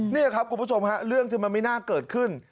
นี่ครับคุณผู้ชมฮะเรื่องที่มันไม่น่าเกิดขึ้น